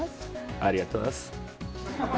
ありがとうございます。